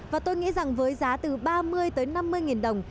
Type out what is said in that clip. và tôi nghĩ rằng với giá từ ba mươi năm mươi đồng